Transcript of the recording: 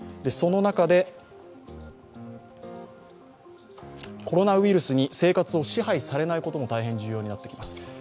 その中でコロナウイルスに生活を支配されないことも大変重要になってきます。